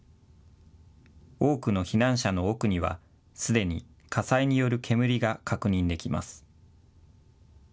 多くの避難者の奥には、すでに火災による煙が確認できます。